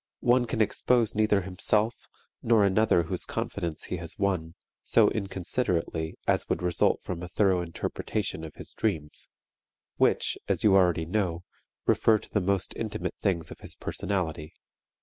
One can expose neither himself, nor another whose confidence he has won, so inconsiderately as would result from a thorough interpretation of his dreams which, as you already know, refer to the most intimate things of his personality.